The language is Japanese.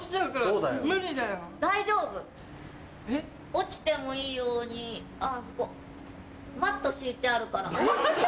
落ちてもいいようにあぁあそこマット敷いてあるから。